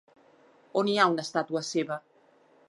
On hi ha una estàtua seva?